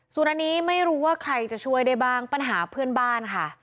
ส่วนอันนี้ไม่รู้ว่าใครจะช่วยได้บ้างปัญหาเพื่อนบ้านค่ะ